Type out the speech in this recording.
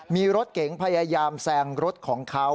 มีรถเก๋งพยายามแซงรถของเขา